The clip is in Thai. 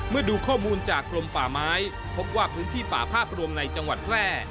ดูข้อมูลจากกลมป่าไม้พบว่าพื้นที่ป่าภาพรวมในจังหวัดแพร่